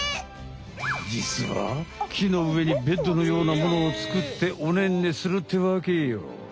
じつは木の上にベッドのようなものを作っておねんねするってわけよ！